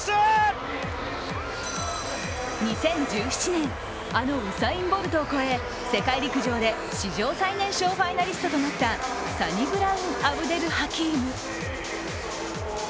２０１７年あのウサイン・ボルトを超え世界陸上で史上最年少ファイナリストとなったサニブラウン・アブデルハキーム。